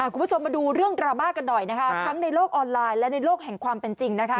คุณผู้ชมมาดูเรื่องดราม่ากันหน่อยนะคะทั้งในโลกออนไลน์และในโลกแห่งความเป็นจริงนะคะ